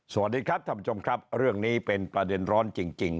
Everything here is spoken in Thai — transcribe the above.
สวัสดีครับท่านผู้ชมครับเรื่องนี้เป็นประเด็นร้อนจริง